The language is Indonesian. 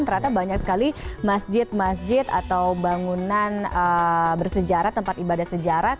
ternyata banyak sekali masjid masjid atau bangunan bersejarah tempat ibadah sejarah